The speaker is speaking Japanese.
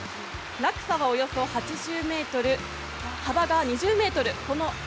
落差はおよそ８０ｍ、幅は２０ｍ